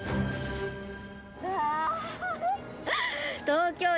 うわ！